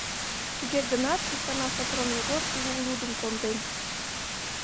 Туге гынат икана Сопром Йогор кугу лудым конден.